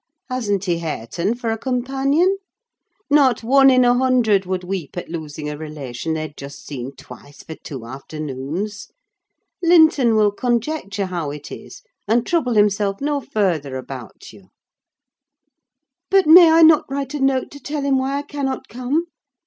Hasn't he Hareton for a companion? Not one in a hundred would weep at losing a relation they had just seen twice, for two afternoons. Linton will conjecture how it is, and trouble himself no further about you." "But may I not write a note to tell him why I cannot come?"